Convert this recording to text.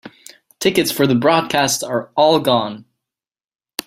Tickets for the broadcast are all gone.